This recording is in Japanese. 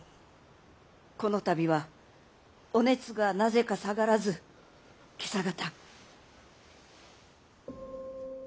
この度はお熱がなぜか下がらず今朝方。